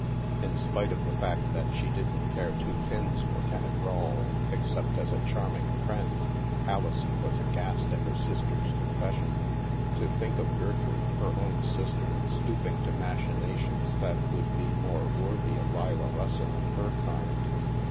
In spite of the fact that she didn't care two pins for Kenneth Rawle except as a charming friend, Ali son was aghast at her sister's confession. To think of Gertrude, her own sister, stooping to machina tions that would be more worthy of Leila Russell and her kind.